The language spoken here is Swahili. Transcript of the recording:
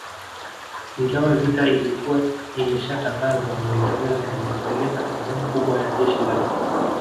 Ingawa vita ilikuwa imeshatangazwa na Uingereza ilipeleka sehemu kubwa ya jeshi lake